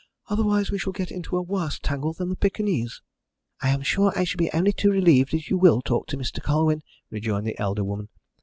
"Otherwise we shall get into a worse tangle than the Pekingese." "I am sure I shall be only too relieved if you will talk to Mr. Colwyn," rejoined the elder woman.